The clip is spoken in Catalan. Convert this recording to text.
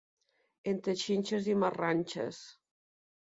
Entre xinxes i marranxes.